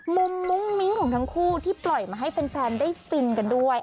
มุ้งมิ้งของทั้งคู่ที่ปล่อยมาให้แฟนได้ฟินกันด้วย